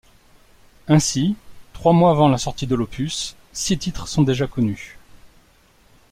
Ainsi, trois mois avant la sortie de l'opus, six titres sont déjà connus.